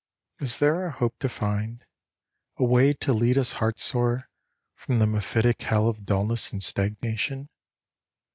Is there a hope to find, a way to lead us heartsore From the mephitic hell of dulness and stagnation